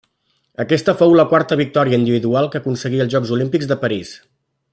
Aquesta fou la quarta victòria individual que aconseguia als Jocs Olímpics de París.